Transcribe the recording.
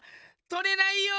とれないよ！